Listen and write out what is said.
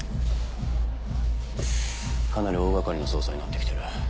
かなり大掛かりな捜査になって来てる。